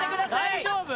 大丈夫？